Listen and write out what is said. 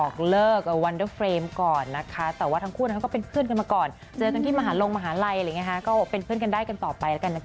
การคุยที่จบกันด้วยดี